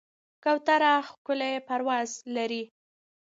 کوتره ښکلی پرواز لري.